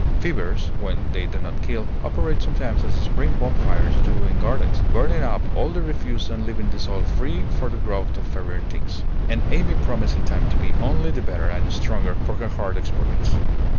Fevers, when they do not kill, operate sometimes as spring bonfires do in gardens, burning up all the refuse and leaving the soil free for the growth of fairer things; and Amy promised in time to be only the better and stronger for her hard experience.